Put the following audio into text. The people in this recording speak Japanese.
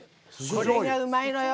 これがうまいのよ！